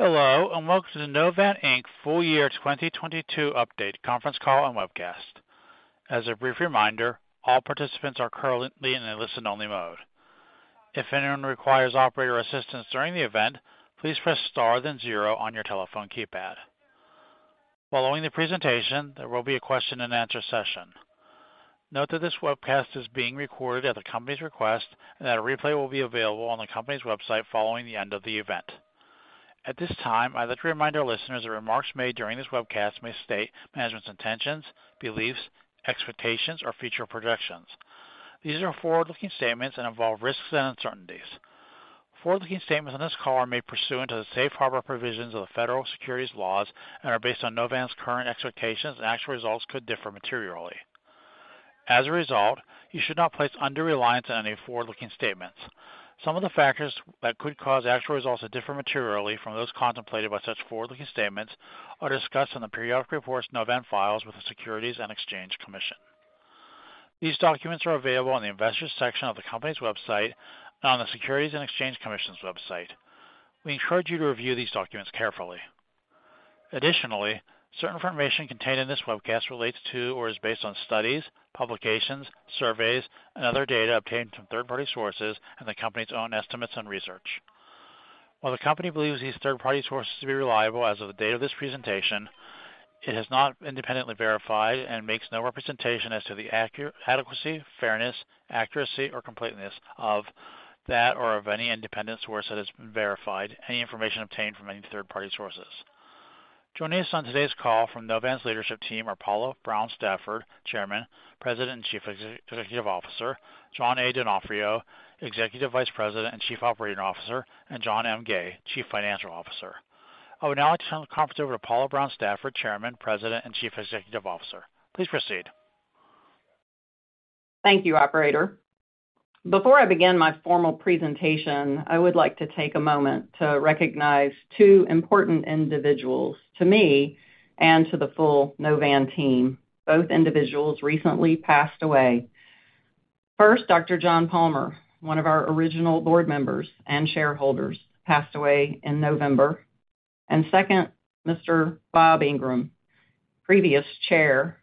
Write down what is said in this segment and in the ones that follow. Hello, welcome to the Novan, Inc. Full Year 2022 Update conference call and webcast. As a brief reminder, all participants are currently in a listen-only mode. If anyone requires operator assistance during the event, please press star then zero on your telephone keypad. Following the presentation, there will be a question-and-answer session. Note that this webcast is being recorded at the company's request, and that a replay will be available on the company's website following the end of the event. At this time, I'd like to remind our listeners that remarks made during this webcast may state management's intentions, beliefs, expectations or future projections. These are forward-looking statements and involve risks and uncertainties. Forward-looking statements on this call are made pursuant to the safe harbor provisions of the federal securities laws and are based on Novan's current expectations, and actual results could differ materially. As a result, you should not place undue reliance on any forward-looking statements. Some of the factors that could cause actual results to differ materially from those contemplated by such forward-looking statements are discussed in the periodic reports Novan files with the Securities and Exchange Commission. These documents are available on the Investors section of the company's website and on the Securities and Exchange Commission's website. We encourage you to review these documents carefully. Additionally, certain information contained in this webcast relates to or is based on studies, publications, surveys and other data obtained from third-party sources and the company's own estimates and research. While the company believes these third-party sources to be reliable as of the date of this presentation, it has not independently verified and makes no representation as to the adequacy, fairness, accuracy or completeness of that or of any independent source that has been verified any information obtained from any third-party sources. Joining us on today's call from Novan's leadership team are Paula Brown Stafford, Chairman, President, and Chief Executive Officer, John A. Donofrio, Executive Vice President and Chief Operating Officer, and John M. Gay, Chief Financial Officer. I would now like to turn the conference over to Paula Brown Stafford, Chairman, President, and Chief Executive Officer. Please proceed. Thank you, operator. Before I begin my formal presentation, I would like to take a moment to recognize two important individuals to me and to the full Novan team. Both individuals recently passed away. First, Dr. John Palmour, one of our original board members and shareholders, passed away in November. Second, Mr. Bob Ingram, previous chair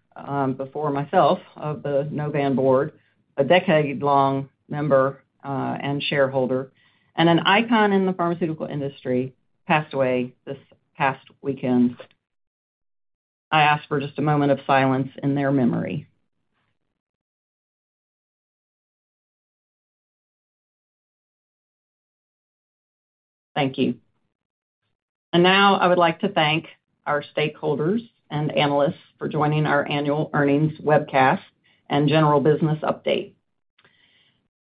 before myself of the Novan board, a decade-long member and shareholder and an icon in the pharmaceutical industry, passed away this past weekend. I ask for just a moment of silence in their memory. Thank you. Now I would like to thank our stakeholders and analysts for joining our annual earnings webcast and general business update.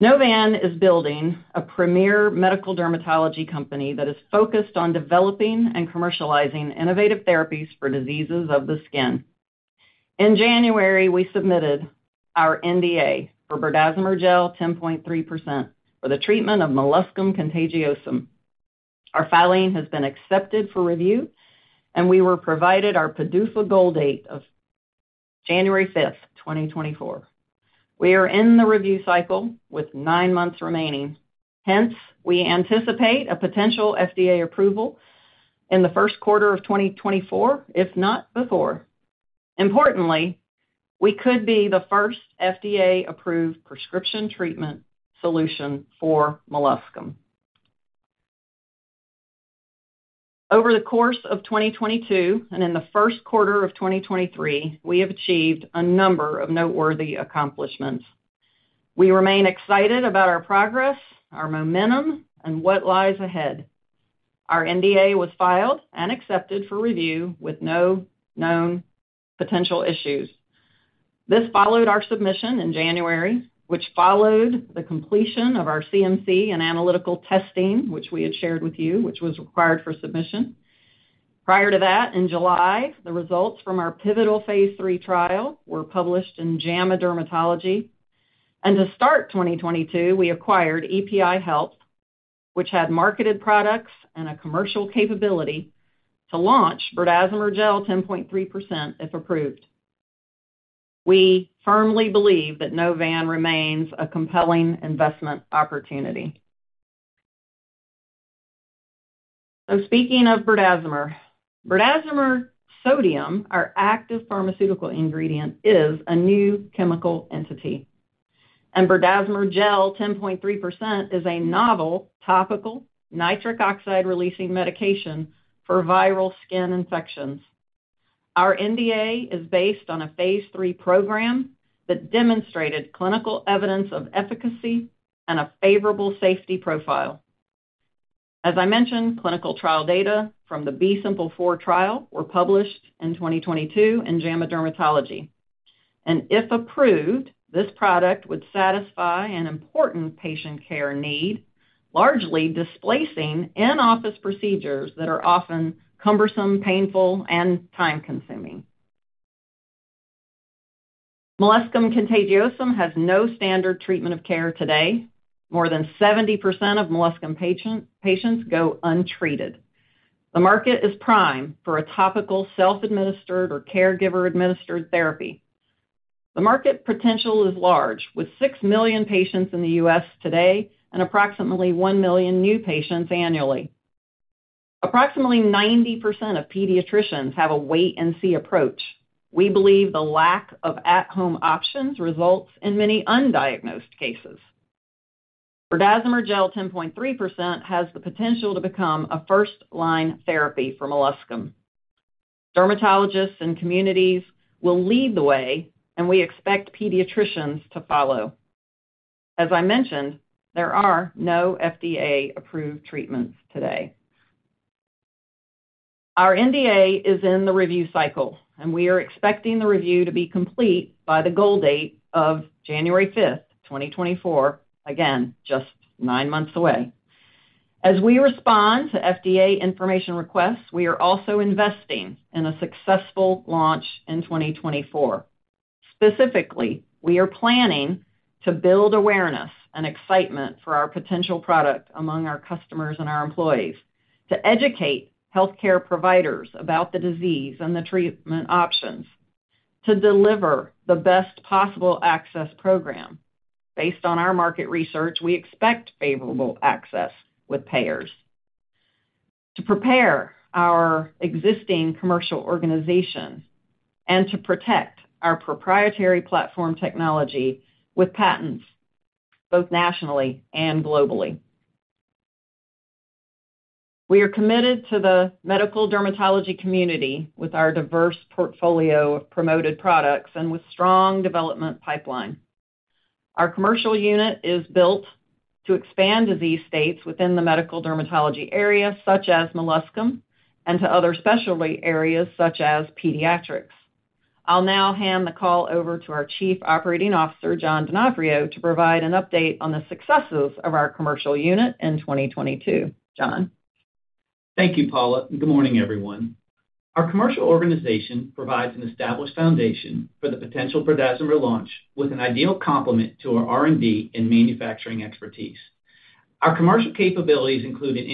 Novan is building a premier medical dermatology company that is focused on developing and commercializing innovative therapies for diseases of the skin. In January, we submitted our NDA for berdazimer gel 10.3% for the treatment of molluscum contagiosum. Our filing has been accepted for review, we were provided our PDUFA goal date of January 5, 2024. We are in the review cycle with nine months remaining. We anticipate a potential FDA approval in the first quarter of 2024, if not before. Importantly, we could be the first FDA-approved prescription treatment solution for molluscum. Over the course of 2022 and in the first quarter of 2023, we have achieved a number of noteworthy accomplishments. We remain excited about our progress, our momentum, and what lies ahead. Our NDA was filed and accepted for review with no known potential issues. This followed our submission in January, which followed the completion of our CMC and analytical testing, which we had shared with you, which was required for submission. Prior to that, in July, the results from our pivotal phase three trial were published in JAMA Dermatology. To start 2022, we acquired EPI Health, which had marketed products and a commercial capability to launch berdazimer gel 10.3%, if approved. We firmly believe that Novan remains a compelling investment opportunity. Speaking of berdazimer sodium, our active pharmaceutical ingredient, is a new chemical entity, and berdazimer gel 10.3% is a novel topical nitric oxide-releasing medication for viral skin infections. Our NDA is based on a phase 3 program that demonstrated clinical evidence of efficacy and a favorable safety profile. As I mentioned, clinical trial data from the B-SIMPLE4 trial were published in 2022 in JAMA Dermatology. If approved, this product would satisfy an important patient care need, largely displacing in-office procedures that are often cumbersome, painful, and time-consuming. molluscum contagiosum has no standard treatment of care today. More than 70% of molluscum patients go untreated. The market is prime for a topical self-administered or caregiver-administered therapy. The market potential is large, with 6 million patients in the U.S. today and approximately 1 million new patients annually. Approximately 90% of pediatricians have a wait and see approach. We believe the lack of at-home options results in many undiagnosed cases. berdazimer gel 10.3% has the potential to become a first-line therapy for molluscum. Dermatologists and communities will lead the way, and we expect pediatricians to follow. As I mentioned, there are no FDA-approved treatments today. Our NDA is in the review cycle, and we are expecting the review to be complete by the goal date of January fifth, 2024, again, just nine months away. As we respond to FDA information requests, we are also investing in a successful launch in 2024. Specifically, we are planning to build awareness and excitement for our potential product among our customers and our employees to educate healthcare providers about the disease and the treatment options to deliver the best possible access program. Based on our market research, we expect favorable access with payers to prepare our existing commercial organizations and to protect our proprietary platform technology with patents both nationally and globally. We are committed to the medical dermatology community with our diverse portfolio of promoted products and with strong development pipeline. Our commercial unit is built to expand disease states within the medical dermatology area such as molluscum and to other specialty areas such as pediatrics. I'll now hand the call over to our Chief Operating Officer, John Donofrio, to provide an update on the successes of our commercial unit in 2022. John. Thank you, Paula, and good morning, everyone. Our commercial organization provides an established foundation for the potential berdazimer launch with an ideal complement to our R&D and manufacturing expertise. Our commercial capabilities include an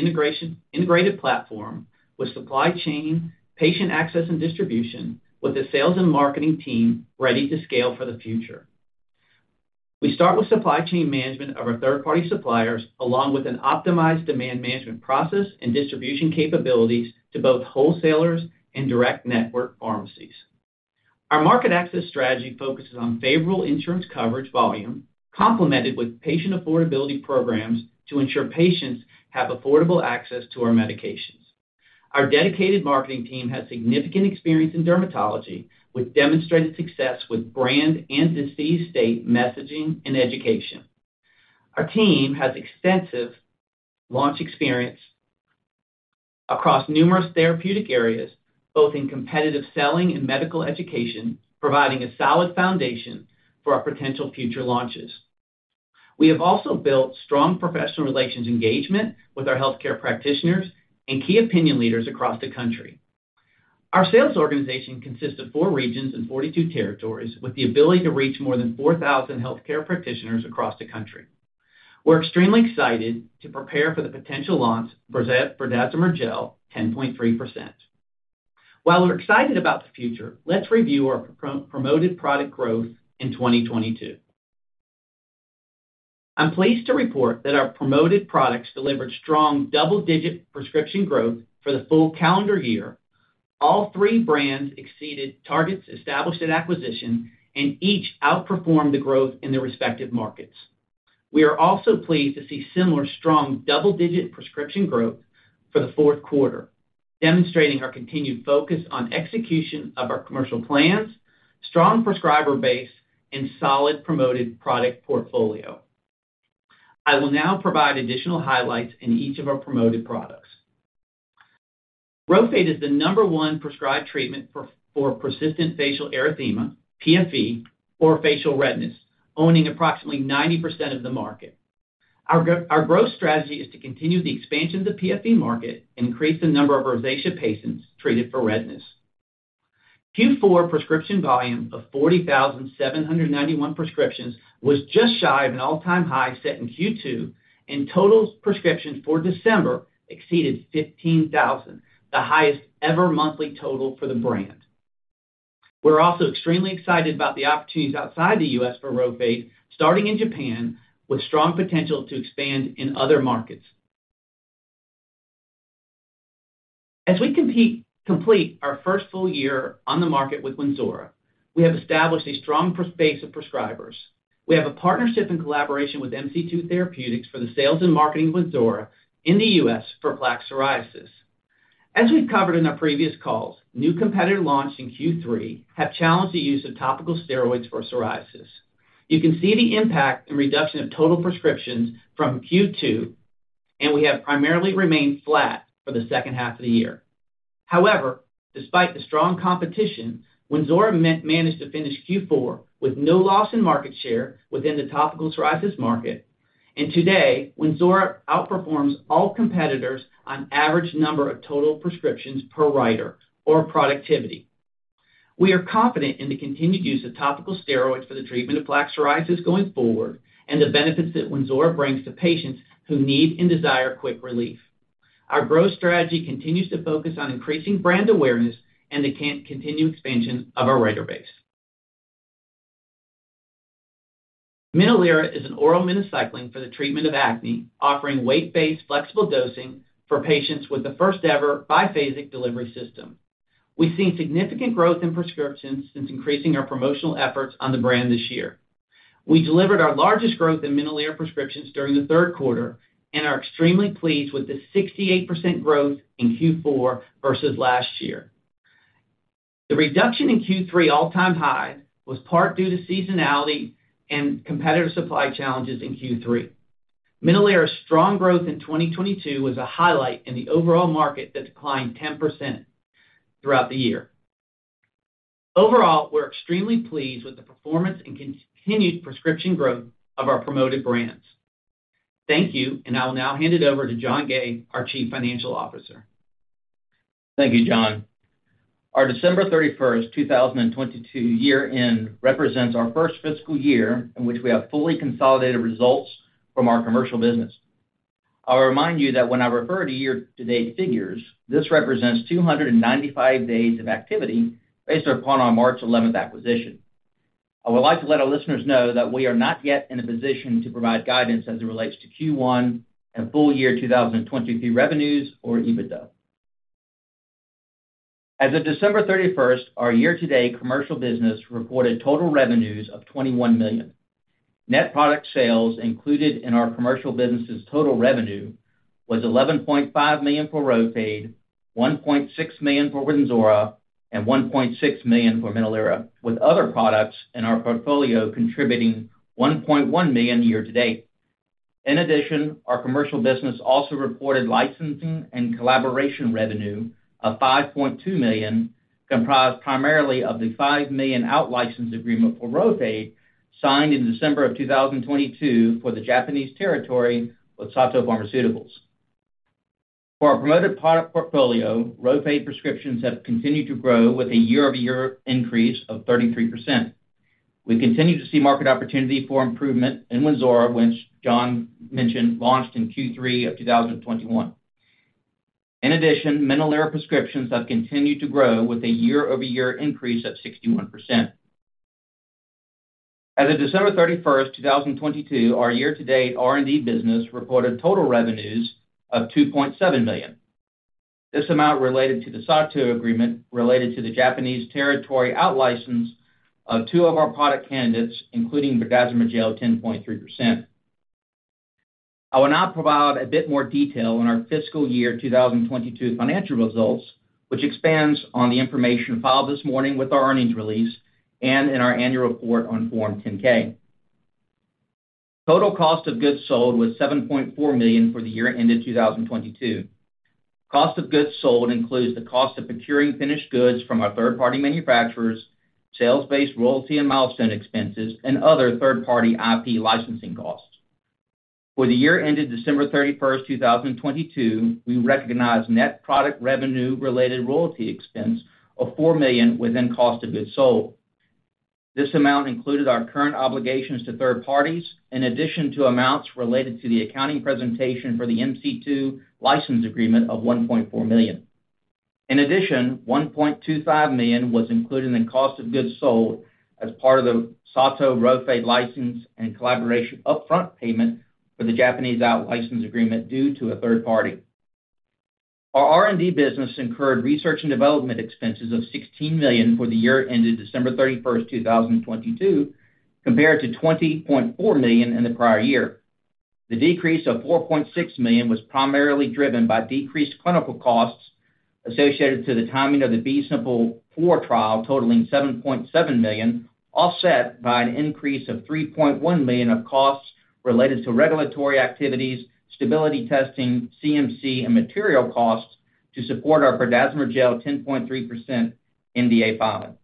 integrated platform with supply chain, patient access and distribution with the sales and marketing team ready to scale for the future. We start with supply chain management of our third-party suppliers, along with an optimized demand management process and distribution capabilities to both wholesalers and direct network pharmacies. Our market access strategy focuses on favorable insurance coverage volume, complemented with patient affordability programs to ensure patients have affordable access to our medications. Our dedicated marketing team has significant experience in dermatology with demonstrated success with brand and disease state messaging and education. Our team has extensive launch experience across numerous therapeutic areas, both in competitive selling and medical education, providing a solid foundation for our potential future launches. We have also built strong professional relations engagement with our healthcare practitioners and key opinion leaders across the country. Our sales organization consists of four regions and 42 territories with the ability to reach more than 4,000 healthcare practitioners across the country. We're extremely excited to prepare for the potential launch berdazimer gel 10.3%. While we're excited about the future, let's review our pro-promoted product growth in 2022. I'm pleased to report that our promoted products delivered strong double-digit prescription growth for the full calendar year. All three brands exceeded targets established at acquisition, and each outperformed the growth in their respective markets. We are also pleased to see similar strong double-digit prescription growth for the fourth quarter, demonstrating our continued focus on execution of our commercial plans, strong prescriber base, and solid promoted product portfolio. I will now provide additional highlights in each of our promoted products. Rhofade is the number one prescribed treatment for persistent facial erythema, PFE, or facial redness, owning approximately 90% of the market. Our growth strategy is to continue the expansion of the PFE market and increase the number of rosacea patients treated for redness. Q4 prescription volume of 40,791 prescriptions was just shy of an all-time high set in Q2, and total prescriptions for December exceeded 15,000, the highest ever monthly total for the brand. We're also extremely excited about the opportunities outside the U.S. for Rhofade, starting in Japan, with strong potential to expand in other markets. As we Complete our first full year on the market with Wynzora, we have established a strong base of prescribers. We have a partnership and collaboration with MC2 Therapeutics for the sales and marketing of Wynzora in the U.S. for plaque psoriasis. As we've covered in our previous calls, new competitor launch in Q3 have challenged the use of topical steroids for psoriasis. You can see the impact and reduction of total prescriptions from Q2, and we have primarily remained flat for the second half of the year. However, despite the strong competition, Wynzora managed to finish Q4 with no loss in market share within the topical psoriasis market. Today, Wynzora outperforms all competitors on average number of total prescriptions per writer or productivity. We are confident in the continued use of topical steroids for the treatment of plaque psoriasis going forward and the benefits that Wynzora brings to patients who need and desire quick relief. Our growth strategy continues to focus on increasing brand awareness and the continued expansion of our writer base. MINOLIRA is an oral minocycline for the treatment of acne, offering weight-based flexible dosing for patients with the first-ever biphasic delivery system. We've seen significant growth in prescriptions since increasing our promotional efforts on the brand this year. We delivered our largest growth in MINOLIRA prescriptions during the third quarter and are extremely pleased with the 68% growth in Q4 versus last year. The reduction in Q3 all-time high was part due to seasonality and competitive supply challenges in Q3. MINOLIRA's strong growth in 2022 was a highlight in the overall market that declined 10% throughout the year. Overall, we're extremely pleased with the performance and continued prescription growth of our promoted brands. Thank you, I will now hand it over to John Gay, our Chief Financial Officer. Thank you, John. Our December 31, 2022 year-end represents our first fiscal year in which we have fully consolidated results from our commercial business. I'll remind you that when I refer to year-to-date figures, this represents 295 days of activity based upon our March 11 acquisition. I would like to let our listeners know that we are not yet in a position to provide guidance as it relates to Q1 and full year 2023 revenues or EBITDA. As of December 31, our year-to-date commercial business reported total revenues of 21 million. Net product sales included in our commercial business's total revenue was 11.5 million for Rhofade, 1.6 million for Wynzora, and $1.6 million for MINOLIRA, with other products in our portfolio contributing 1.1 million year-to-date. In addition, our commercial business also reported licensing and collaboration revenue of 5.2 million, comprised primarily of the 5 million out-license agreement for Rhofade, signed in December of 2022 for the Japanese territory with Sato Pharmaceuticals. For our promoted product portfolio, Rhofade prescriptions have continued to grow with a year-over-year increase of 33%. We continue to see market opportunity for improvement in Wynzora, which John mentioned launched in Q3 of 2021. In addition, MINOLIRA prescriptions have continued to grow with a year-over-year increase of 61%. As of December 31st, 2022, our year-to-date R&D business reported total revenues of 2.7 million. This amount related to the Sato agreement related to the Japanese territory out-license of two of our product candidates, including berdazimer gel 10.3%. I will now provide a bit more detail on our fiscal year 2022 financial results, which expands on the information filed this morning with our earnings release and in our annual report on Form 10-K. Total cost of goods sold was 7.4 million for the year ended 2022. Cost of goods sold includes the cost of procuring finished goods from our third-party manufacturers, sales-based royalty and milestone expenses, and other third-party IP licensing costs. For the year ended December 31st, 2022, we recognized net product revenue-related royalty expense of 4 million within cost of goods sold. This amount included our current obligations to third parties, in addition to amounts related to the accounting presentation for the MC2 license agreement of 1.4 million. one point two five million was included in cost of goods sold as part of the Sato Rhofade license and collaboration upfront payment for the Japanese out-license agreement due to a third party. Our R&D business incurred research and development expenses of 16 million for the year ended December 31, 2022, compared to 20.4 million in the prior year. The decrease of 4.6 million was primarily driven by decreased clinical costs associated to the timing of the B-SIMPLE4 trial totaling 7.7 million, offset by an increase of 3.1 million of costs related to regulatory activities, stability testing, CMC, and material costs to support our berdazimer gel 10.3% NDA filing.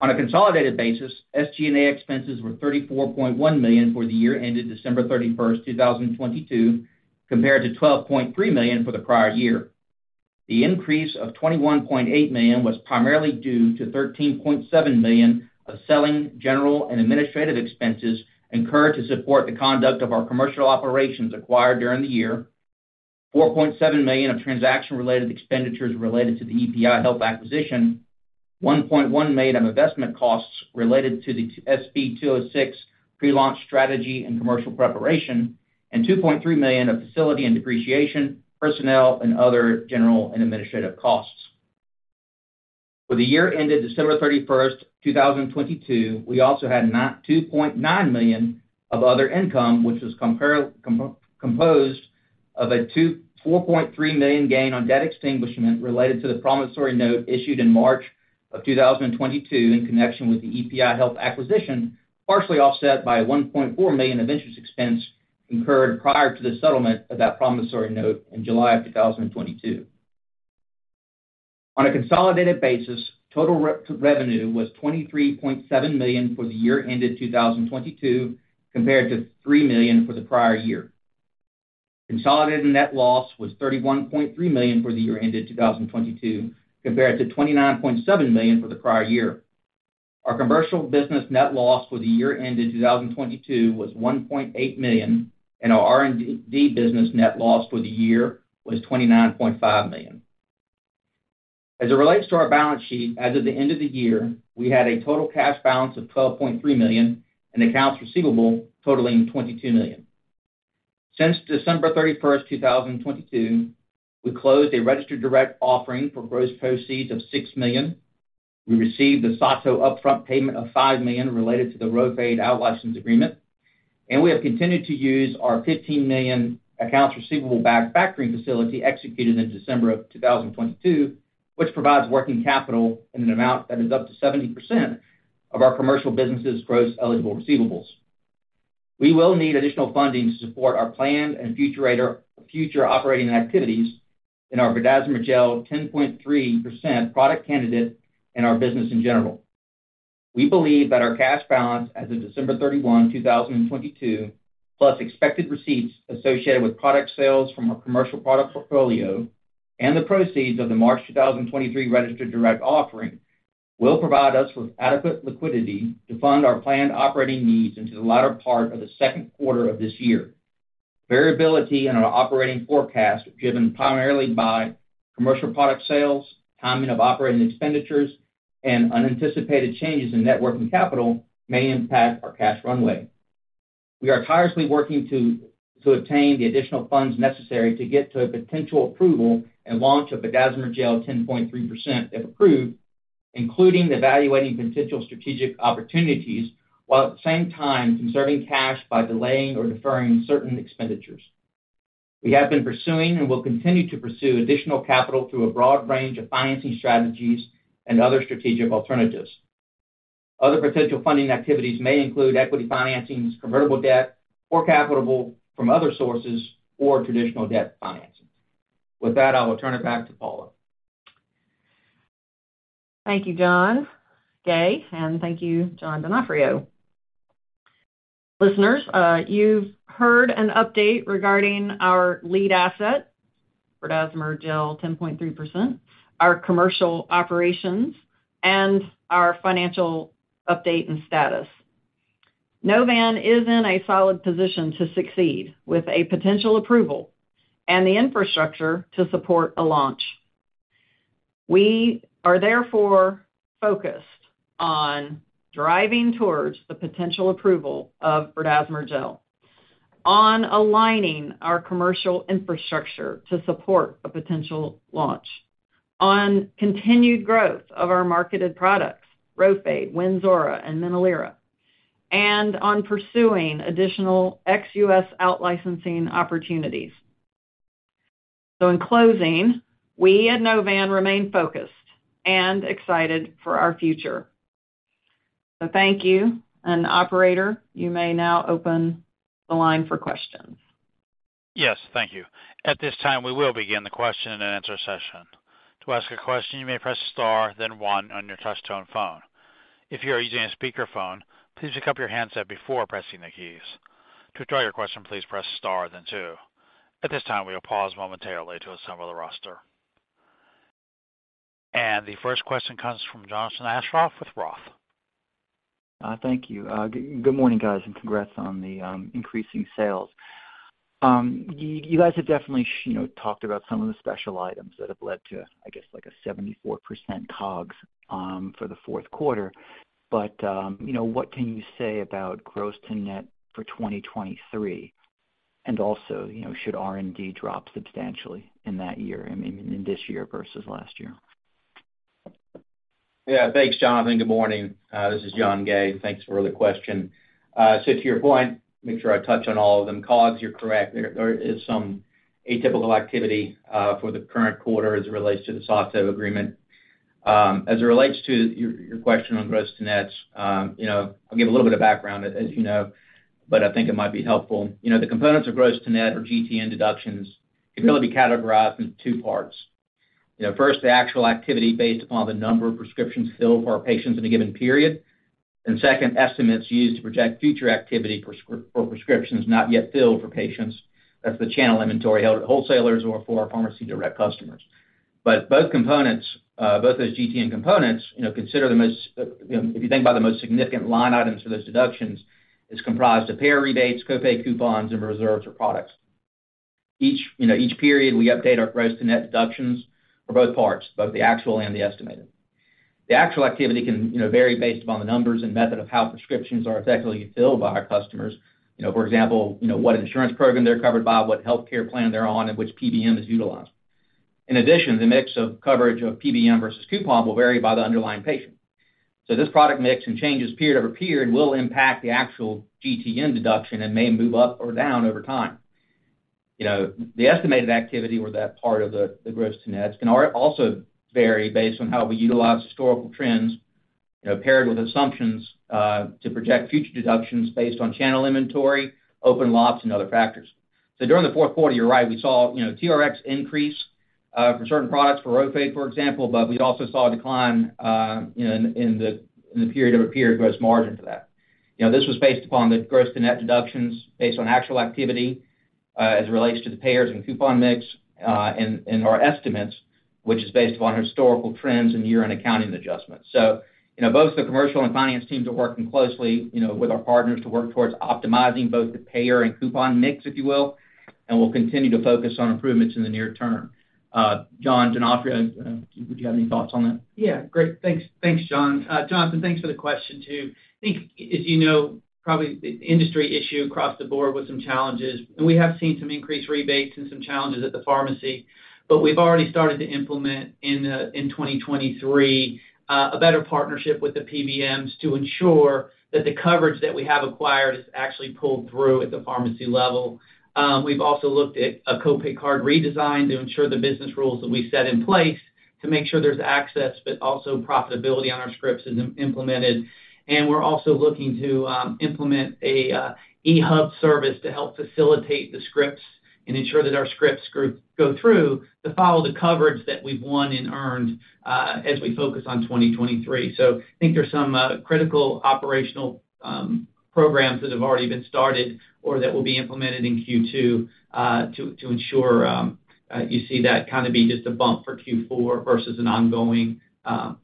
On a consolidated basis, SG&A expenses were 34.1 million for the year ended December 31, 2022, compared to12.3 million for the prior year. The increase of $21.8 million was primarily due to 13.7 million of selling, general, and administrative expenses incurred to support the conduct of our commercial operations acquired during the year, 4.7 million of transaction-related expenditures related to the EPI Health acquisition, 1.1 million of investment costs related to the SB206 pre-launch strategy and commercial preparation, and 2.3 million of facility and depreciation, personnel, and other general and administrative costs. For the year ended December 31st, 2022, we also had 2.9 million of other income, which was composed of a 4.3 million gain on debt extinguishment related to the promissory note issued in March of 2022 in connection with the EPI Health acquisition, partially offset by 1.4 million of interest expense incurred prior to the settlement of that promissory note in July of 2022. On a consolidated basis, total revenue was 23.7 million for the year ended 2022, compared to 3 million for the prior year. Consolidated net loss was 31.3 million for the year ended 2022, compared to 29.7 million for the prior year. Our commercial business net loss for the year ended 2022 was 1.8 million, and our R&D business net loss for the year was 29.5 million. As it relates to our balance sheet, as of the end of the year, we had a total cash balance of 12.3 million and accounts receivable totaling 22 million. Since December thirty-first, 2022, we closed a registered direct offering for gross proceeds of 6 million. We received the Sato upfront payment of 5 million related to the Rhofade out-license agreement. We have continued to use our 15 million accounts receivable-backed factoring facility executed in December of 2022, which provides working capital in an amount that is up to 70% of our commercial business's gross eligible receivables. We will need additional funding to support our planned future operating activities in berdazimer gel 10.3% product candidate and our business in general. We believe that our cash balance as of December 31, 2022, plus expected receipts associated with product sales from our commercial product portfolio and the proceeds of the March 2023 registered direct offering will provide us with adequate liquidity to fund our planned operating needs into the latter part of the second quarter of this year. Variability in our operating forecast, driven primarily by commercial product sales, timing of operating expenditures, and unanticipated changes in net working capital may impact our cash runway. We are tirelessly working to obtain the additional funds necessary to get to a potential approval and launch of berdazimer gel 10.3%, if approved, including evaluating potential strategic opportunities, while at the same time conserving cash by delaying or deferring certain expenditures. We have been pursuing and will continue to pursue additional capital through a broad range of financing strategies and other strategic alternatives. Other potential funding activities may include equity financings, convertible debt, or capital from other sources or traditional debt financings. With that, I will turn it back to Paula. Thank you, John Gay, and thank you, John Donofrio. Listeners, you've heard an update regarding our lead asset, berdazimer gel 10.3%, our commercial operations, and our financial update and status. Novan is in a solid position to succeed with a potential approval and the infrastructure to support a launch. We are therefore focused on driving towards the potential approval of berdazimer, on aligning our commercial infrastructure to support a potential launch, on continued growth of our marketed products, Rhofade, Wynzora, and MINOLIRA, and on pursuing additional ex-US out-licensing opportunities. In closing, we at Novan remain focused and excited for our future. Thank you. Operator, you may now open the line for questions. Yes, thank you. At this time, we will begin the question and answer session. To ask a question, you may press star then one on your touch tone phone. If you are using a speakerphone, please pick up your handset before pressing the keys. To withdraw your question, please press star then two. At this time, we will pause momentarily to assemble the roster. The first question comes from Jonathan Aschoff with ROTH. Thank you. Good morning, guys, and congrats on the increasing sales. You guys have definitely, you know, talked about some of the special items that have led to, I guess, like a 74% COGS for the fourth quarter. You know, what can you say about gross to net for 2023? Also, you know, should R&D drop substantially in that year, I mean, in this year versus last year? Thanks, Jonathan. Good morning. This is John Gay. Thanks for the question. So to your point, make sure I touch on all of them. COGS, you're correct. There is some atypical activity for the current quarter as it relates to the Sato agreement. As it relates to your question on gross to nets, you know, I'll give a little bit of background as you know, but I think it might be helpful. You know, the components of gross to net or GTN deductions can really be categorized into two parts. You know, first, the actual activity based upon the number of prescriptions filled for our patients in a given period. Second, estimates used to project future activity or prescriptions not yet filled for patients. That's the channel inventory held at wholesalers or for our pharmacy direct customers. Both components, both those GTN components, you know, consider the most, you know, if you think about the most significant line items for those deductions, it's comprised of payer rebates, co-pay coupons, and reserves for products. Each, you know, each period, we update our gross to net deductions for both parts, both the actual and the estimated. The actual activity can, you know, vary based upon the numbers and method of how prescriptions are effectively filled by our customers. You know, for example, you know, what insurance program they're covered by, what healthcare plan they're on, and which PBM is utilized. In addition, the mix of coverage of PBM versus coupon will vary by the underlying patient. This product mix and changes period-over-period will impact the actual GTN deduction and may move up or down over time. The estimated activity or that part of the gross to nets can also vary based on how we utilize historical trends, paired with assumptions to project future deductions based on channel inventory, open lots, and other factors. During the fourth quarter, you're right, we saw TRx increase for certain products, for Rhofade, for example, but we also saw a decline in the period-over-period gross margin for that. This was based upon the gross to net deductions based on actual activity. As it relates to the payers and coupon mix, and our estimates, which is based upon historical trends and year-end accounting adjustments. You know, both the commercial and finance teams are working closely, you know, with our partners to work towards optimizing both the payer and coupon mix, if you will, and we'll continue to focus on improvements in the near term. John Donofrio, do you have any thoughts on that? Yeah. Great. Thanks, thanks, John. Jonathan, thanks for the question too. I think as you know, probably the industry issue across the board with some challenges, and we have seen some increased rebates and some challenges at the pharmacy. We've already started to implement in 2023, a better partnership with the PBMs to ensure that the coverage that we have acquired is actually pulled through at the pharmacy level. We've also looked at a co-pay card redesign to ensure the business rules that we set in place to make sure there's access, but also profitability on our scripts is implemented. We're also looking to implement an eHub service to help facilitate the scripts and ensure that our scripts go through to follow the coverage that we've won and earned, as we focus on 2023. I think there's some critical operational programs that have already been started or that will be implemented in Q2 to ensure you see that kind of being just a bump for Q4 versus an ongoing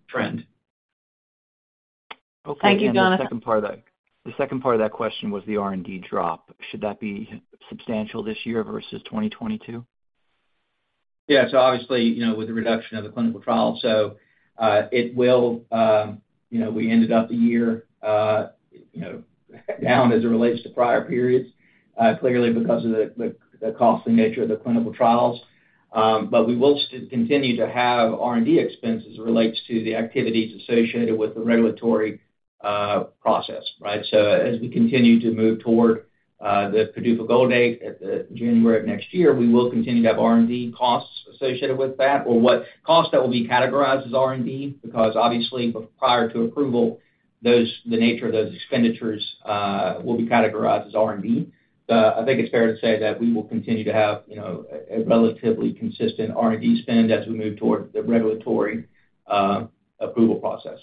trend. Thank you, Jonathan. Okay. The second part of that question was the R&D drop. Should that be substantial this year versus 2022? Obviously, you know, with the reduction of the clinical trial. It will, you know, we ended up the year, you know, down as it relates to prior periods, clearly because of the costing nature of the clinical trials. We will continue to have R&D expenses as it relates to the activities associated with the regulatory process, right? As we continue to move toward the PDUFA goal date at January of next year, we will continue to have R&D costs associated with that or what costs that will be categorized as R&D because obviously, prior to approval, the nature of those expenditures will be categorized as R&D. I think it's fair to say that we will continue to have, you know, a relatively consistent R&D spend as we move toward the regulatory approval process.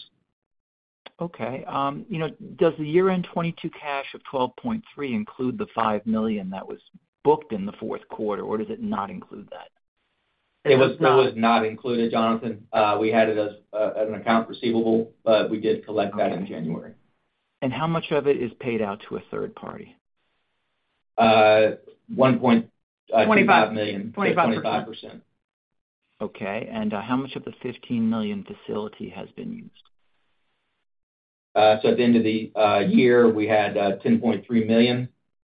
Okay. you know, does the year-end 2022 cash of 12.3 include the 5 million that was booked in the fourth quarter, or does it not include that? It was, that was not included, Jonathan. We had it as an account receivable, but we did collect that in January. How much of it is paid out to a third party? One point. Twenty-five I think $5 million. 25%. 25%. Okay. How much of the 15 million facility has been used? At the end of the year, we had 10.3 million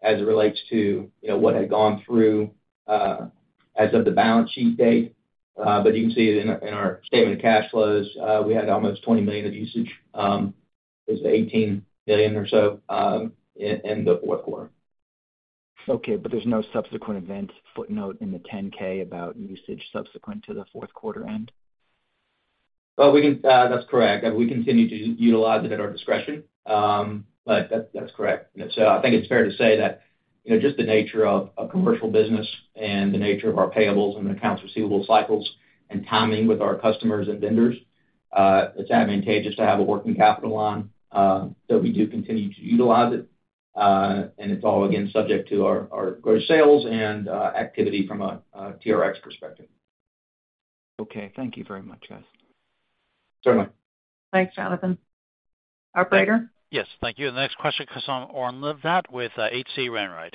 as it relates to, you know, what had gone through as of the balance sheet date. You can see it in our statement of cash flows. We had almost 20 million of usage, is 18 million or so, in the fourth quarter. Okay. There's no subsequent event footnote in the Form 10-K about usage subsequent to the fourth quarter end? Well, that's correct. We continue to utilize it at our discretion. That's correct. I think it's fair to say that, you know, just the nature of a commercial business and the nature of our payables and accounts receivable cycles and timing with our customers and vendors, it's advantageous to have a working capital line, that we do continue to utilize it's all again, subject to our growth sales and activity from a TRx perspective. Okay. Thank you very much, guys. Certainly. Thanks, Jonathan. Operator? Yes. Thank you. The next question, Oren Livnat with, H.C. Wainwright.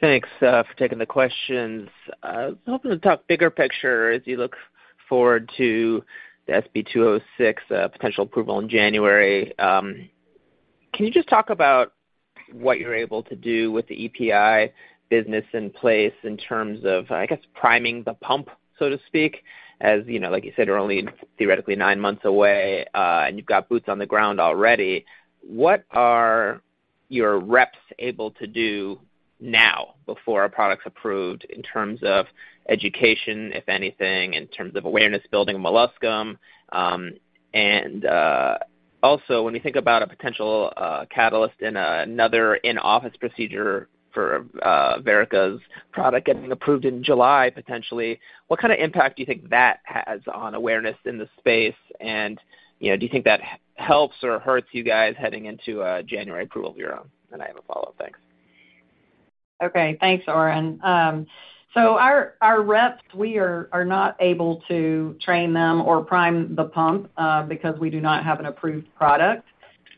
Thanks for taking the questions. I was hoping to talk bigger picture as you look forward to the SB206 potential approval in January. Can you just talk about what you're able to do with the EPI business in place in terms of, I guess, priming the pump, so to speak? As you know, like you said, you're only theoretically nine months away, and you've got boots on the ground already. What are your reps able to do now before a product's approved in terms of education, if anything, in terms of awareness building in molluscum? Also when you think about a potential catalyst in another in-office procedure for Verrica's product getting approved in July, potentially, what kind of impact do you think that has on awareness in the space? You know, do you think that helps or hurts you guys heading into a January approval of your own? I have a follow-up. Thanks. Okay. Thanks, Oren. Our reps, we are not able to train them or prime the pump because we do not have an approved product.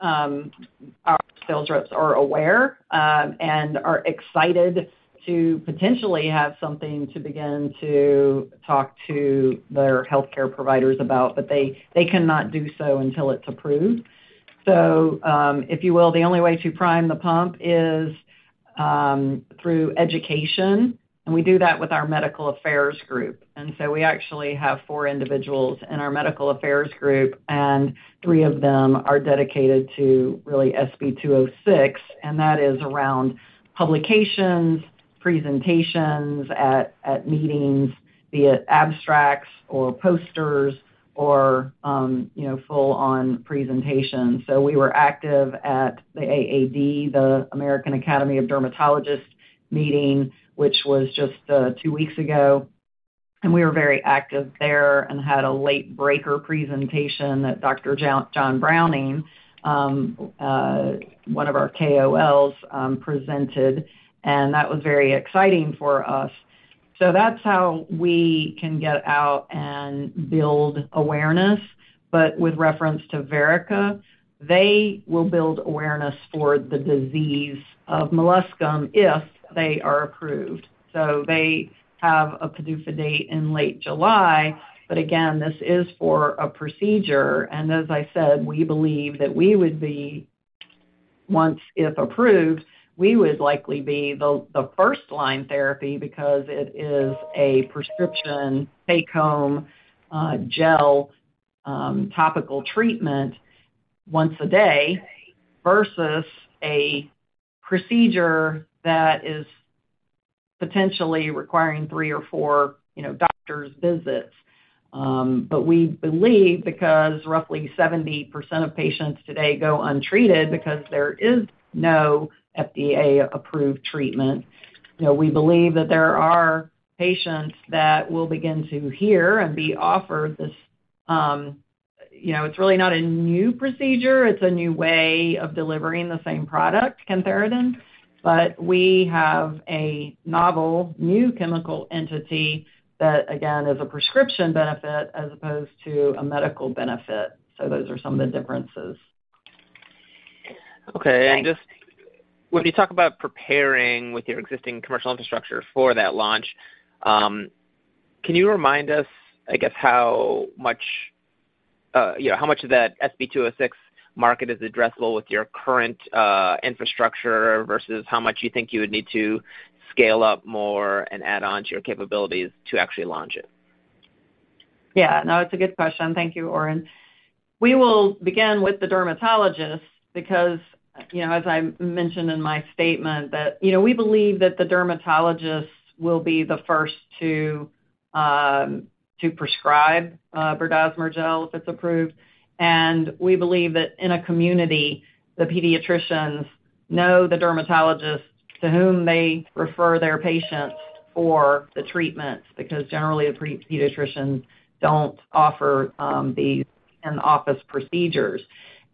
Our sales reps are aware and are excited to potentially have something to begin to talk to their healthcare providers about, but they cannot do so until it's approved. If you will, the only way to prime the pump is through education, and we do that with our medical affairs group. We actually have four individuals in our medical affairs group, and three of them are dedicated to really SB206, and that is around publications, presentations at meetings, be it abstracts or posters or, you know, full-on presentations. We were active at the AAD, the American Academy of Dermatology meeting, which was just two weeks ago. We were very active there and had a late breaker presentation that Dr. John Browning, one of our KOLs, presented, and that was very exciting for us. That's how we can get out and build awareness. With reference to Verrica, they will build awareness for the disease of molluscum if they are approved. They have a PDUFA date in late July. Again, this is for a procedure. As I said, we believe that once, if approved, we would likely be the first-line therapy because it is a prescription take-home gel, topical treatment once a day versus a procedure that is potentially requiring three or four, you know, doctor's visits. We believe because roughly 70% of patients today go untreated because there is no FDA-approved treatment, you know, we believe that there are patients that will begin to hear and be offered this, you know, it's really not a new procedure, it's a new way of delivering the same product, cantharidin. We have a novel new chemical entity that, again, is a prescription benefit as opposed to a medical benefit. Those are some of the differences. Okay. Thanks. Just when you talk about preparing with your existing commercial infrastructure for that launch, can you remind us, I guess, how much, you know, how much of that SB206 market is addressable with your current infrastructure versus how much you think you would need to scale up more and add on to your capabilities to actually launch it? Yeah. No, it's a good question. Thank you, Oren. We will begin with the dermatologist because, you know, as I mentioned in my statement that, you know, we believe that the dermatologists will be the first to prescribe berdazimer gel if it's approved. We believe that in a community, the pediatricians know the dermatologists to whom they refer their patients for the treatments, because generally pediatricians don't offer these in-office procedures.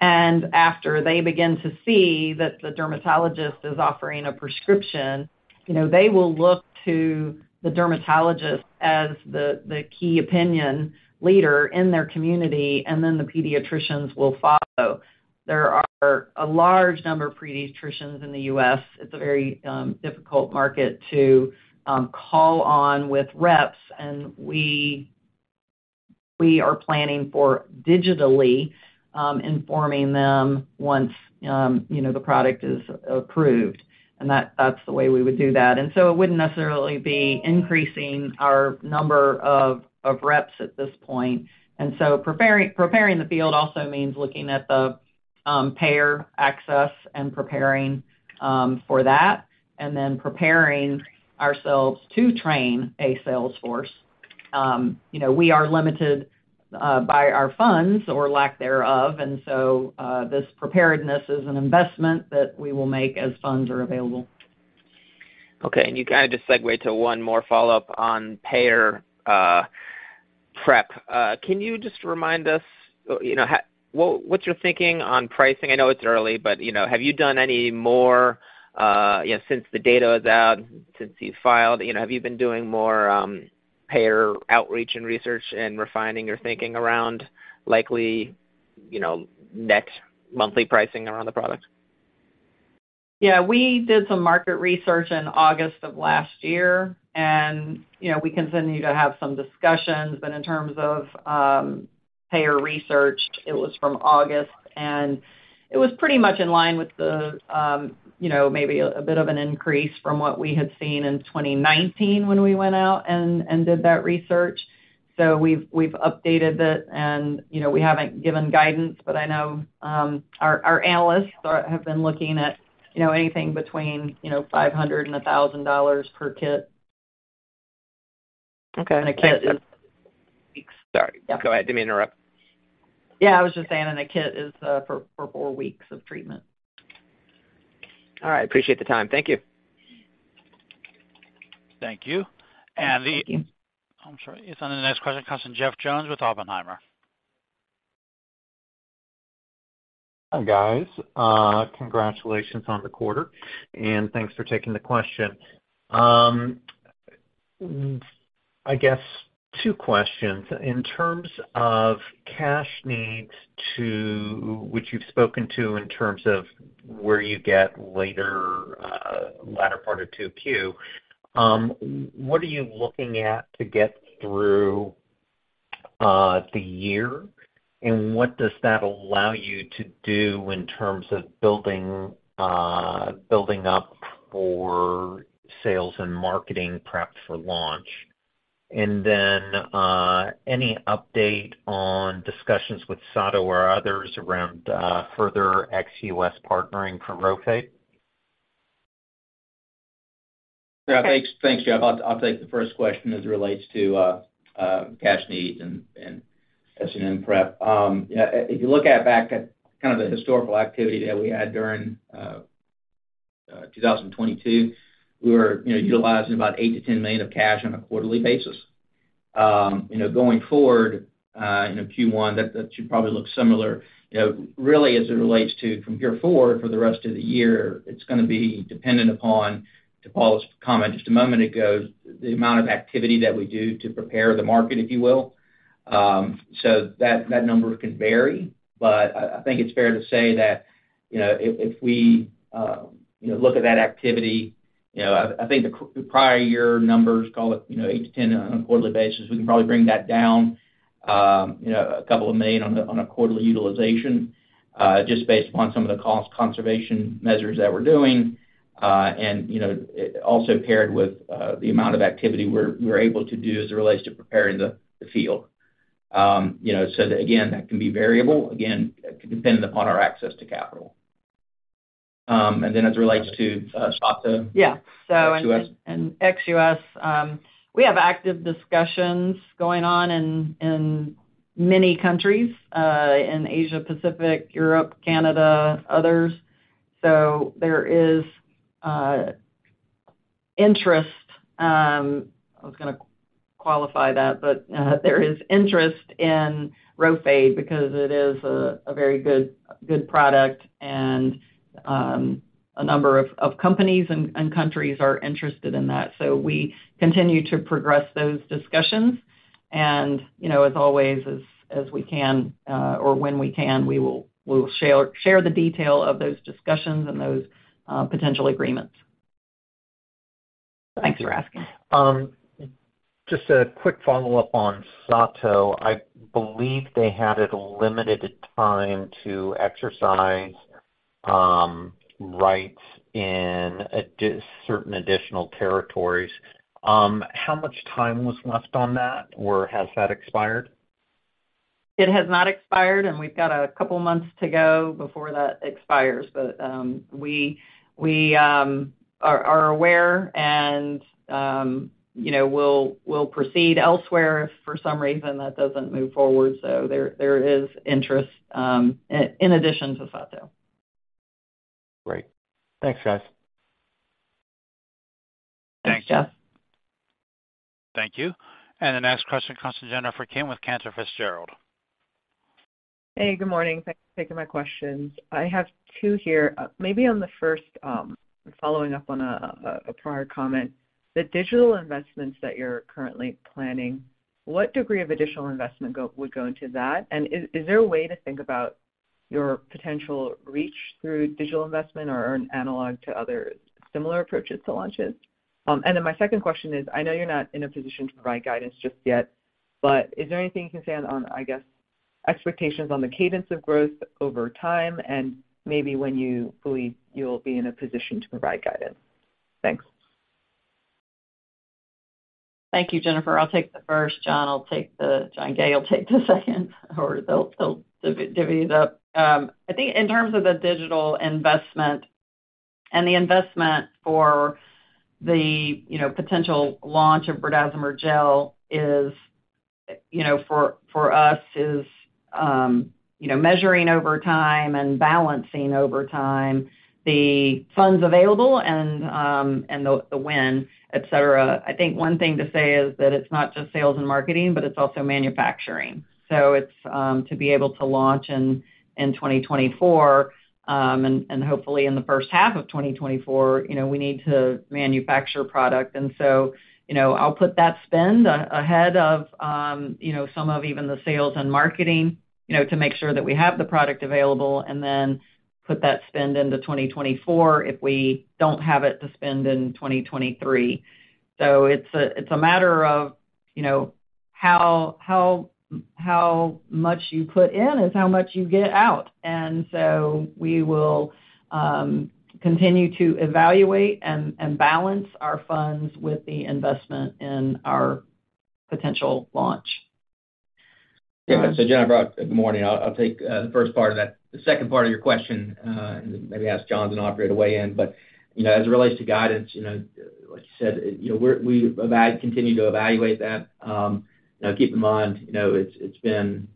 After they begin to see that the dermatologist is offering a prescription, you know, they will look to the dermatologist as the key opinion leader in their community, and then the pediatricians will follow. There are a large number of pediatricians in the U.S. It's a very difficult market to call on with reps. We are planning for digitally informing them once, you know, the product is approved. That's the way we would do that. It wouldn't necessarily be increasing our number of reps at this point. Preparing the field also means looking at the payer access and preparing for that, and then preparing ourselves to train a sales force. You know, we are limited by our funds or lack thereof. This preparedness is an investment that we will make as funds are available. Okay. You kinda just segue to one more follow-up on payer prep. Can you just remind us, you know, how. What's your thinking on pricing? I know it's early, but, you know, have you done any more, you know, since the data is out, since you filed, you know, have you been doing more payer outreach and research and refining your thinking around likely, you know, next monthly pricing around the product? Yeah, we did some market research in August of last year. You know, we continue to have some discussions, but in terms of payer research, it was from August, and it was pretty much in line with the, you know, maybe a bit of an increase from what we had seen in 2019 when we went out and did that research. We've, we've updated it and, you know, we haven't given guidance, but I know our analysts have been looking at, you know, anything between, you know, $500-$1,000 per kit. Okay. A kit is weeks. Sorry. Yeah. Go ahead. Did me interrupt? Yeah, I was just saying in a kit is for four weeks of treatment. All right. Appreciate the time. Thank you. Thank you. Thank you. I'm sorry. Yes, the next question comes from Jeff Jones with Oppenheimer. Hi, guys. Congratulations on the quarter, and thanks for taking the question. I guess two questions. In terms of cash needs to... which you've spoken to in terms of where you get later, latter part of 2Q, what are you looking at to get through the year? What does that allow you to do in terms of building up for sales and marketing prep for launch? Any update on discussions with Sato or others around further ex-US partnering for Rhofade? Okay. Yeah, thanks. Thanks, Jeff. I'll take the first question as it relates to cash needs and S&M prep. Yeah, if you look at back at kind of the historical activity that we had during 2022, we were, you know, utilizing about 8 million-10 million of cash on a quarterly basis. You know, going forward, in a Q1, that should probably look similar. You know, really, as it relates to from here forward for the rest of the year, it's going to be dependent upon to Paula's comment just a moment ago, the amount of activity that we do to prepare the market, if you will. That, that number can vary, but I think it's fair to say that, you know, if we, you know, look at that activity, you know, I think the prior year numbers call it, you know, eight-10 on a quarterly basis. We can probably bring that down, you know, 2 million on a, on a quarterly utilization, just based upon some of the cost conservation measures that we're doing, and, you know, also paired with, the amount of activity we're able to do as it relates to preparing the field. You know, again, that can be variable, again, dependent upon our access to capital. As it relates to, Sato- Yeah. Ex-US. In ex-US, we have active discussions going on in many countries, in Asia, Pacific, Europe, Canada, others. There is interest. I was going to qualify that, but there is interest in Rhofade because it is a very good product and a number of companies and countries are interested in that. We continue to progress those discussions. You know, as always, as we can, or when we can, we will share the detail of those discussions and those potential agreements. Thanks for asking. Just a quick follow-up on Sato. I believe they had a limited time to exercise rights in certain additional territories. How much time was left on that, or has that expired? It has not expired. We've got a couple months to go before that expires. We are aware and, you know, we'll proceed elsewhere if for some reason that doesn't move forward. There is interest, in addition to Sato. Great. Thanks, guys. Thanks. Thanks, Jeff. Thank you. The next question comes from Jennifer Kim with Cantor Fitzgerald. Hey, good morning. Thanks for taking my questions. I have two here. Maybe on the first, following up on a prior comment. The digital investments that you're currently planning, what degree of additional investment would go into that? Is there a way to think about your potential reach through digital investment or an analog to other similar approaches to launches? My second question is, I know you're not in a position to provide guidance just yet, but is there anything you can say on, I guess, expectations on the cadence of growth over time and maybe when you believe you'll be in a position to provide guidance? Thanks. Thank you, Jennifer. I'll take the first. John Gay will take the second or they'll divvy it up. I think in terms of the digital investment and the investment for the, you know, potential launch of berdazimer gel is, you know, for us is, you know, measuring over time and balancing over time the funds available and the win, etc. I think one thing to say is that it's not just sales and marketing, but it's also manufacturing. It's to be able to launch in 2024, and hopefully in the first half of 2024, you know, we need to manufacture product. You know, I'll put that spend ahead of, you know, some of even the sales and marketing, you know, to make sure that we have the product available and then put that spend into 2024 if we don't have it to spend in 2023. It's a matter of, you know, how much you put in is how much you get out. We will continue to evaluate and balance our funds with the investment in our potential launch. Jennifer, good morning. I'll take the first part of that. The second part of your question, maybe ask John Donofrio to weigh in. You know, as it relates to guidance, you know, like you said, you know, we continue to evaluate that. Keep in mind, you know, it's been,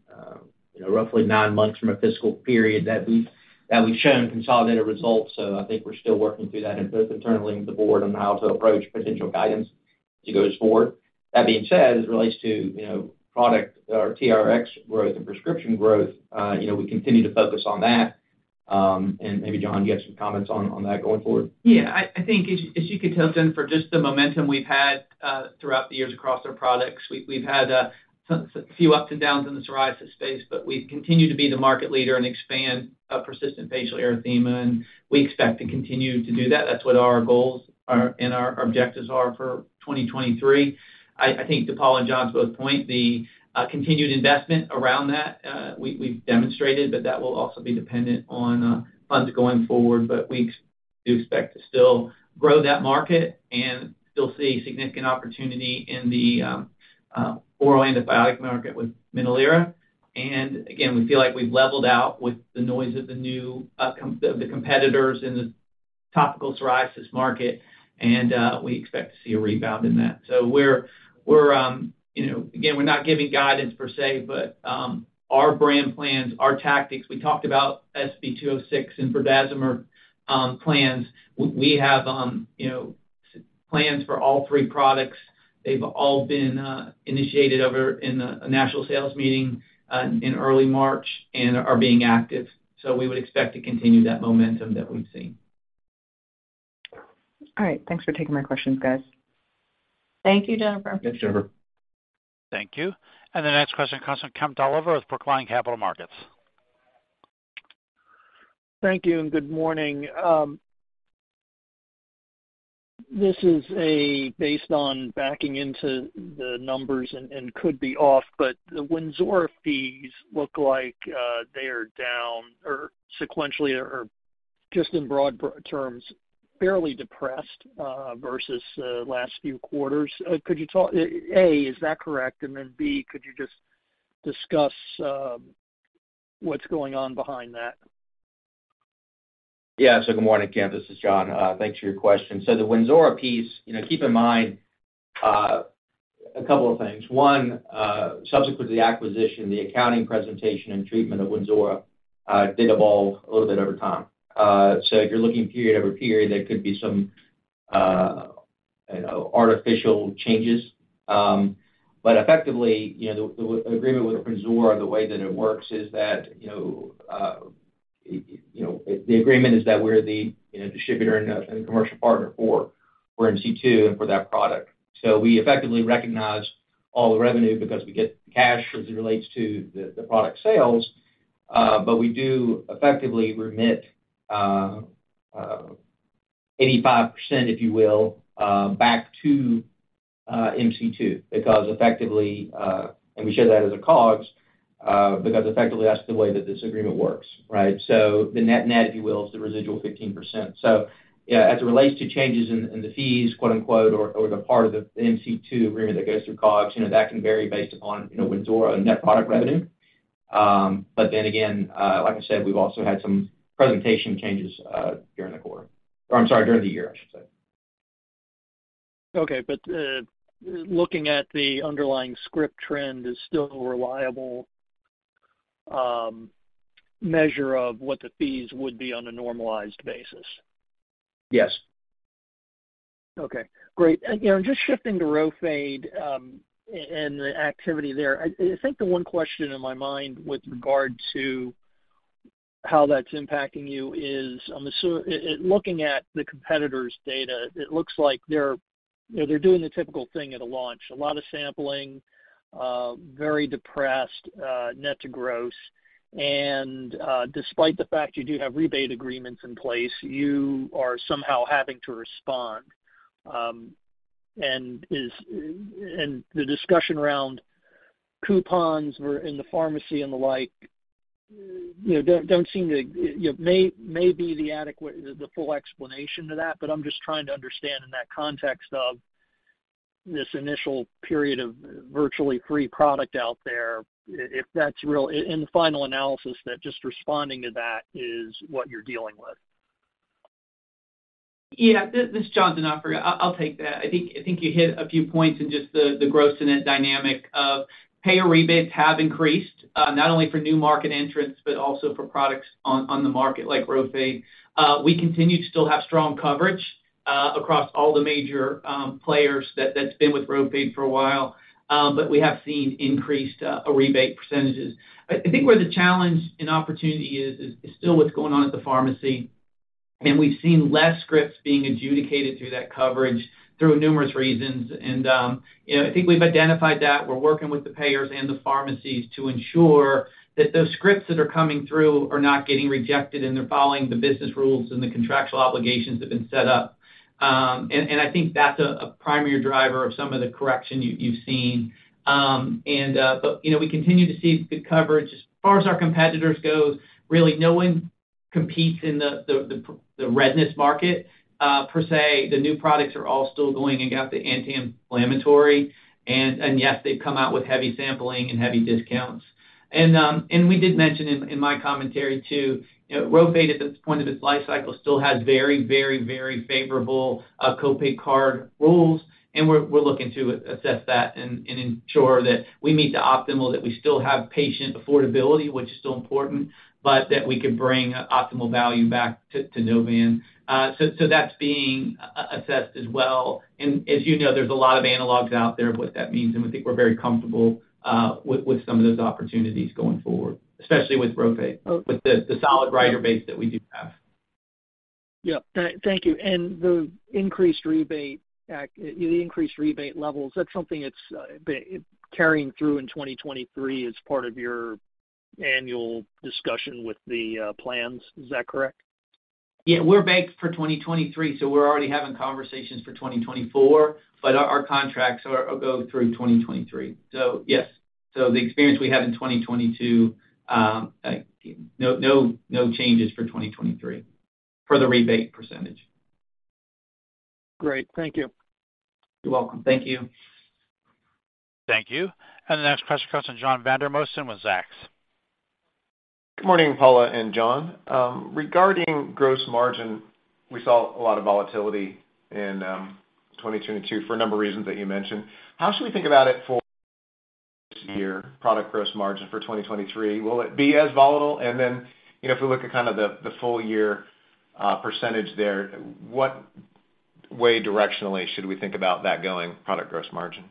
roughly nine months from a fiscal period that we've shown consolidated results. I think we're still working through that and both internally with the board on how to approach potential guidance as we goes forward. That being said, as it relates to, you know, product or TRx growth and prescription growth, we continue to focus on that. And maybe, John, you have some comments on that going forward. Yeah. I think as you can tell, Jennifer, just the momentum we've had throughout the years across our products, we've had a few ups and downs in the psoriasis space, but we've continued to be the market leader and expand persistent facial erythema, and we expect to continue to do that. That's what our goals are and our objectives are for 2023. I think to Paul and John's both point, the continued investment around that, we've demonstrated, but that will also be dependent on funds going forward. We do expect to still grow that market and still see significant opportunity in the oral antibiotic market with MINOLIRA. Again, we feel like we've leveled out with the noise of the new competitors in the topical psoriasis market, and we expect to see a rebound in that. We're, we're, you know, again, we're not giving guidance per se, but our brand plans, our tactics, we talked about SB206 and berdazimer plans. We, we have, you know, plans for all three products. They've all been initiated over in a national sales meeting in early March and are being active. We would expect to continue that momentum that we've seen. All right, thanks for taking my questions, guys. Thank you, Jennifer. Yes, sure. Thank you. The next question comes from Kemp Dolliver with Brookline Capital Markets. Thank you. Good morning. This is based on backing into the numbers and could be off, but the Wynzora fees look like they are down or sequentially or just in broad terms, fairly depressed versus last few quarters. Could you talk, a, is that correct? Then, b, could you just discuss what's going on behind that? Yeah. Good morning, Kemp. This is John. Thanks for your question. The Wynzora piece, you know, keep in mind, a couple of things. One, subsequent to the acquisition, the accounting presentation and treatment of Wynzora, did evolve a little bit over time. If you're looking period over period, there could be some artificial changes. Effectively, you know, the agreement with Wynzora, the way that it works is that, you know, the agreement is that we're the, you know, distributor and commercial partner for MC2 Therapeutics and for that product. We effectively recognize all the revenue because we get cash as it relates to the product sales, but we do effectively remit 85%, if you will, back to MC2 Therapeutics, because effectively, and we show that as a COGS, because effectively that's the way that this agreement works, right? The net-net, if you will, is the residual 15%. Yeah, as it relates to changes in the fees, quote, unquote, or the part of the MC2 Therapeutics agreement that goes through COGS, you know, that can vary based upon, you know, Wynzora or net product revenue. Again, like I said, we've also had some presentation changes during the quarter or I'm sorry, during the year, I should say. Okay. Looking at the underlying script trend is still a reliable measure of what the fees would be on a normalized basis. Yes. Okay, great. You know, just shifting to Rhofade, and the activity there. I think the one question in my mind with regard to how that's impacting you is, looking at the competitor's data, it looks like they're, you know, they're doing the typical thing at a launch, a lot of sampling, very depressed, net to gross. Despite the fact you do have rebate agreements in place, you are somehow having to respond. The discussion around coupons or in the pharmacy and the like, you know, don't seem to, the full explanation to that. I'm just trying to understand in that context of this initial period of virtually free product out there, if that's real in the final analysis, that just responding to that is what you're dealing with? This is John Donofrio. I'll take that. I think you hit a few points in just the gross and net dynamic of payer rebates have increased not only for new market entrants, but also for products on the market like Rhofade. We continue to still have strong coverage across all the major players that's been with Rhofade for a while. We have seen increased rebate percentages. I think where the challenge and opportunity is still what's going on at the pharmacy. We've seen less scripts being adjudicated through that coverage through numerous reasons. You know, I think we've identified that. We're working with the payers and the pharmacies to ensure that those scripts that are coming through are not getting rejected and they're following the business rules and the contractual obligations that have been set up. I think that's a primary driver of some of the correction you've seen. You know, we continue to see good coverage. As far as our competitors goes, really no one competes in the redness market, per se. The new products are all still going and got the anti-inflammatory. Yes, they've come out with heavy sampling and heavy discounts. We did mention in my commentary too, you know, Rhofade at this point of its life cycle still has very, very, very favorable co-pay card rules, and we're looking to assess that and ensure that we meet the optimal, that we still have patient affordability, which is still important, but that we can bring optimal value back to Novan. So that's being assessed as well. As you know, there's a lot of analogs out there of what that means, and we think we're very comfortable with some of those opportunities going forward, especially with Rhofade, with the solid writer base that we do have. Yeah. Thank you. The increased rebate act, the increased rebate levels, that's something that's carrying through in 2023 as part of your annual discussion with the plans. Is that correct? Yeah. We're banked for 2023, so we're already having conversations for 2024. Our contracts go through 2023. Yes. The experience we have in 2022, no changes for 2023 for the rebate %. Great. Thank you. You're welcome. Thank you. Thank you. The next question comes from Jonathan Vandermosten with Zacks. Good morning, Paula and John. Regarding gross margin, we saw a lot of volatility in 2022 for a number of reasons that you mentioned. How should we think about it for year product gross margin for 2023? Will it be as volatile? You know, if we look at kind of the full year percentage there, what way directionally should we think about that going product gross margin?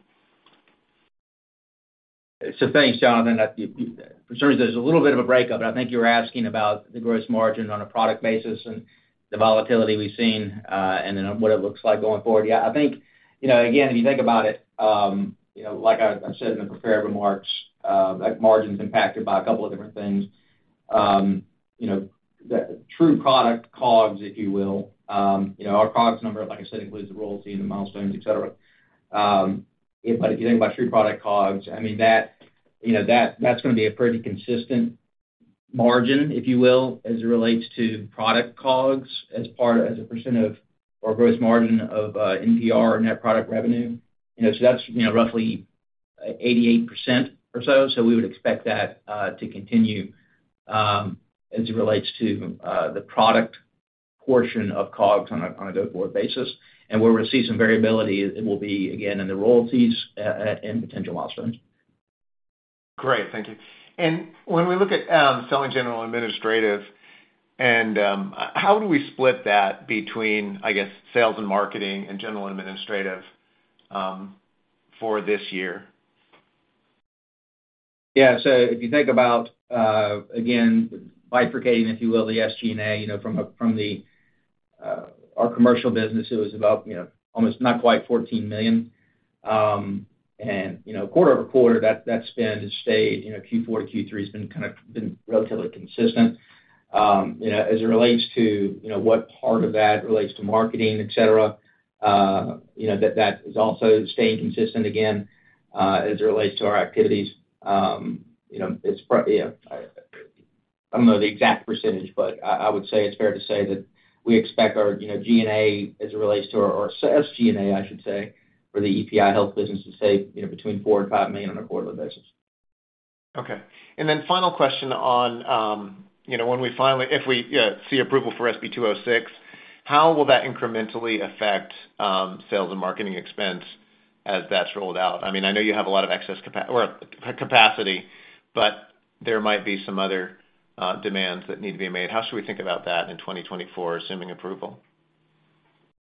Thanks, Jonathan. For sure there's a little bit of a breakup. I think you were asking about the gross margin on a product basis and the volatility we've seen, and then what it looks like going forward. Yeah. I think, you know, again, if you think about it, you know, like I said in the prepared remarks, that margin's impacted by a couple of different things. You know, the true product COGS, if you will, you know, our COGS number, like I said, includes the royalties and the milestones, et cetera. If, like you think about true product COGS, I mean, that, you know, that's going to be a pretty consistent margin, if you will, as it relates to product COGS as a percent of our gross margin of NPR, net product revenue. You know, so that's, you know, roughly 88% or so. We would expect that to continue as it relates to the product portion of COGS on a go-forward basis. Where we'll see some variability, it will be, again, in the royalties and potential milestones. Great. Thank you. When we look at Selling, General and Administrative and how do we split that between, I guess, sales and marketing and General and Administrative for this year? Yeah. If you think about, again, bifurcating, if you will, the SG&A, you know, from the, our commercial business, it was about, you know, almost not quite 14 million. Quarter-over-quarter, that spend has stayed, you know, Q4 to Q3 has been kind of relatively consistent. You know, as it relates to, you know, what part of that relates to marketing, et cetera, you know, that is also staying consistent again, as it relates to our activities. Yeah. I don't know the exact percentage, but I would say it's fair to say that we expect our, you know, G&A as it relates to our or SG&A, I should say, for the EPI Health business to stay, you know, between 4 million and 5 million on a quarterly basis. Okay. Final question on, you know, when we finally if we see approval for SB206, how will that incrementally affect sales and marketing expense as that's rolled out? I mean, I know you have a lot of excess capacity, but there might be some other demands that need to be made. How should we think about that in 2024, assuming approval?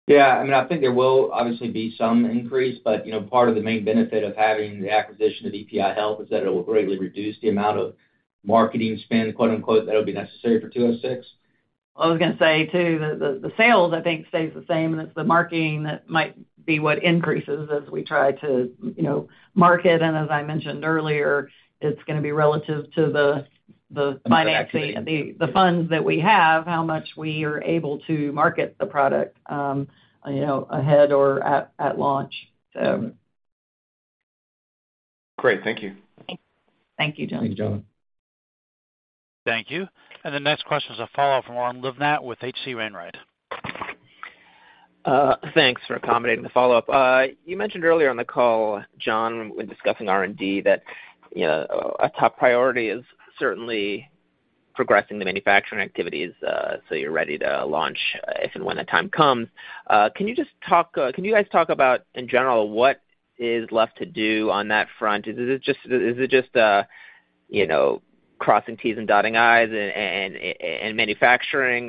Yeah. I mean, I think there will obviously be some increase, but, you know, part of the main benefit of having the acquisition of EPI Health is that it will greatly reduce the amount of marketing spend, quote-unquote, that'll be necessary for 206. I was going to say too that the sales, I think stays the same, and it's the marketing that might be what increases as we try to, you know, market. As I mentioned earlier, it's going to be relative to the financing... The amount of activity. The funds that we have, how much we are able to market the product, you know, ahead or at launch. Great. Thank you. Thank you, Jonathan. Thanks, Jonathan. Thank you. The next question is a follow-up from Oren Livnat with H.C. Wainwright. Thanks for accommodating the follow-up. You mentioned earlier on the call, John, when discussing R&D that, you know, a top priority is certainly progressing the manufacturing activities, so you're ready to launch if and when the time comes. Can you just talk, can you guys talk about in general, what is left to do on that front? Is it just, you know, crossing T's and dotting I's and manufacturing,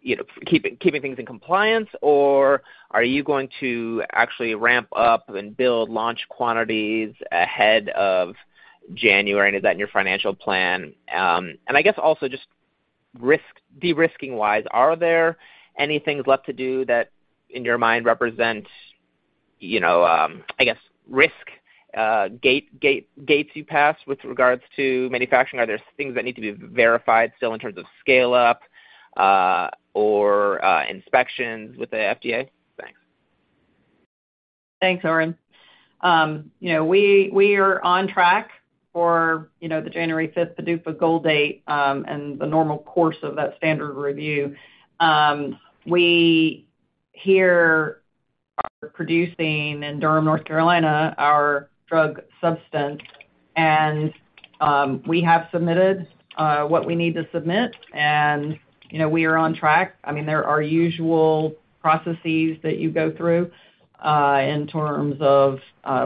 you know, keeping things in compliance? Are you going to actually ramp up and build launch quantities ahead of January? Is that in your financial plan? I guess also just de-risking-wise, are there any things left to do that in your mind represent, you know, I guess, risk, gates you passed with regards to manufacturing? Are there things that need to be verified still in terms of scale up, or inspections with the FDA? Thanks. Thanks, Oren. You know, we are on track for, you know, the January 5th PDUFA goal date, and the normal course of that standard review. We here are producing in Durham, North Carolina, our drug substance and we have submitted what we need to submit and, you know, we are on track. I mean, there are usual processes that you go through, in terms of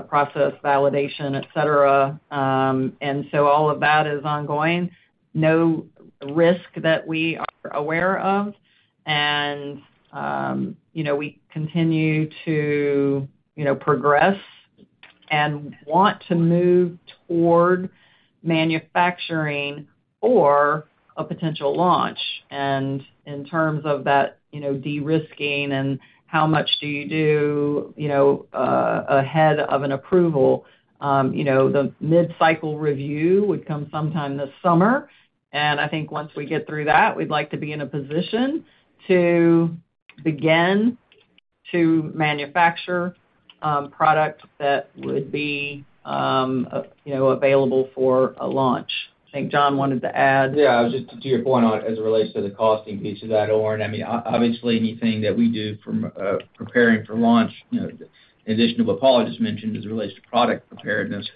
process validation, et cetera. All of that is ongoing. No risk that we are aware of. You know, we continue to, you know, progress and want to move toward manufacturing or a potential launch. In terms of that, you know, de-risking and how much do you do, you know, ahead of an approval, you know, the mid-cycle review would come sometime this summer. I think once we get through that, we'd like to be in a position to begin to manufacture product that would be, you know, available for a launch. I think John wanted to add. Just to your point on it as it relates to the costing piece of that, Oren, I mean, obviously anything that we do from preparing for launch, you know, in addition to what Paula just mentioned as it relates to product preparedness,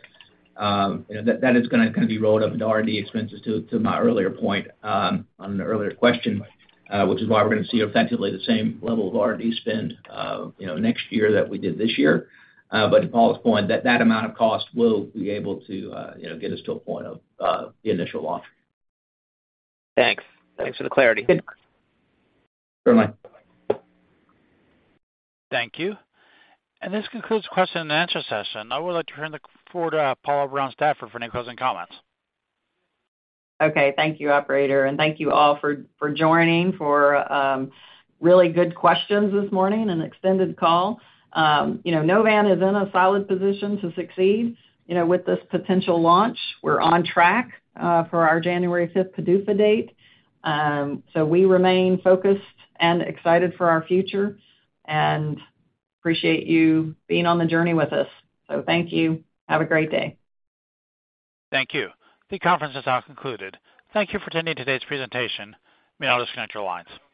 you know, that is going to continue to be rolled up into R&D expenses to my earlier point on an earlier question, which is why we're going to see effectively the same level of R&D spend, you know, next year that we did this year. But to Paula's point, that amount of cost will be able to, you know, get us to a point of the initial launch. Thanks. Thanks for the clarity. Sure. Thank you. This concludes the question and answer session. I would like to turn the floor to Paula Brown Stafford for any closing comments. Okay. Thank you, operator. Thank you all for joining, for really good questions this morning and extended call. You know, Novan is in a solid position to succeed, you know, with this potential launch. We're on track for our January fifth PDUFA date. We remain focused and excited for our future and appreciate you being on the journey with us. Thank you. Have a great day. Thank you. The conference is now concluded. Thank you for attending today's presentation. You may now disconnect your lines.